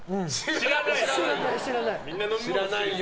知らないよ。